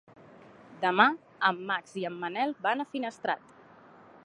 Demà en Max i en Manel van a Finestrat.